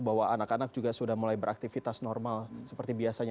bahwa anak anak juga sudah mulai beraktivitas normal seperti biasanya